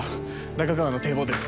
中川の堤防です。